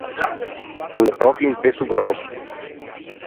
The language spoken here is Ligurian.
O l’é pròpio un pesso gròsso.